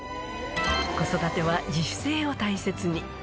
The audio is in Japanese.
子育ては自主性を大切に。